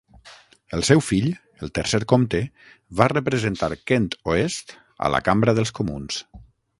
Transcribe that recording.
El seu fill, el tercer Comte, va representar Kent Oest a la Cambra dels Comuns.